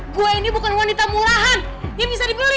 gue ini bukan wanita mulahan dia bisa dibeli